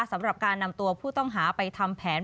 สำหรับการนำตัวผู้ต้องหาไปทำแผน